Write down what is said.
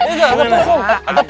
ini nggak ada perhuni